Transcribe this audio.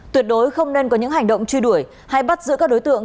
tuyệt đối không nên có những hành động truy đuổi hay bắt giữ các đối tượng